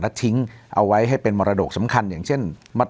และทิ้งเอาไว้ให้เป็นมรดกสำคัญอย่างเช่น